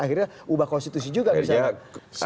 akhirnya ubah konstitusi juga misalnya